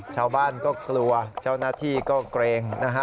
ชาวบ้านก็กลัวช่วงนาธิก็เกรง